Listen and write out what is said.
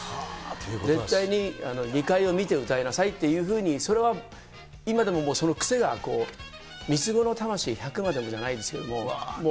絶対に２階を見て歌いなさいっていうふうに、それは今でももう、その癖が、三つ子の魂百までもじゃないですけれども、もう。